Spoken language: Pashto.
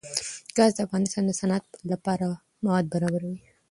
ګاز د افغانستان د صنعت لپاره مواد برابروي.